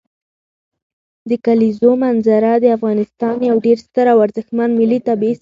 د کلیزو منظره د افغانستان یو ډېر ستر او ارزښتمن ملي طبعي ثروت دی.